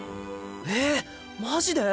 えマジで？